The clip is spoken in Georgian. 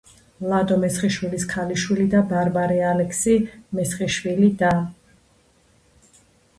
ლადო მესხიშვილის ქალიშვილი და ბარბარე ალექსი-მესხიშვილი და.